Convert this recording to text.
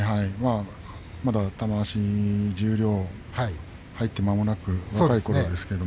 まだ玉鷲、十両入ってまもない若いころですけど。